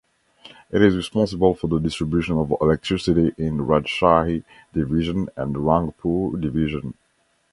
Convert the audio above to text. It is responsible for the distribution of electricity in Rajshahi Division and Rangpur Division.